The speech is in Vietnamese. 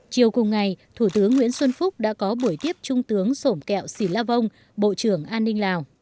chiều cùng ngày thủ tướng nguyễn xuân phúc đã có buổi tiếp trung tướng sổm kẹo sĩ la vong bộ trưởng an ninh lào